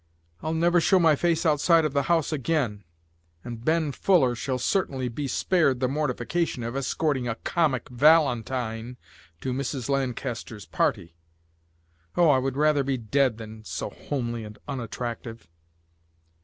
I'll never show my face outside of the house again, and Ben Fuller shall certainly be spared the mortification of escorting a 'comic valentine' to Mrs. Lancaster's party. Oh, I would rather be dead than so homely and unattractive!"